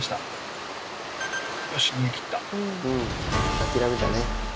諦めたね。